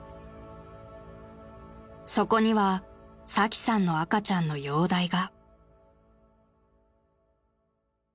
［そこにはサキさんの赤ちゃんの容体が］